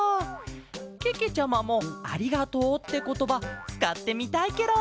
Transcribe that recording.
けけちゃまも「ありがとう」ってことばつかってみたいケロ。